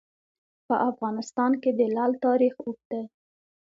په افغانستان کې د لعل تاریخ اوږد دی.